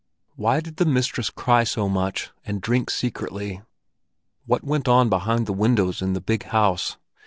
Why did the mistress cry so much and drink secretly? What went on behind the windows in the big house?